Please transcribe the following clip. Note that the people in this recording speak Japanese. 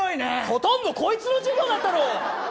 ほとんどこいつの授業だったろ。